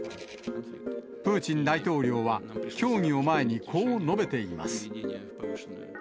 プーチン大統領は協議を前にこう述べています。